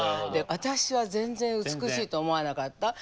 私は全然美しいと思わなかった。